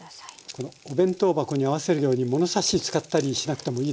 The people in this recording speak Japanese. このお弁当箱に合わせるようにものさし使ったりしなくてもいいですか？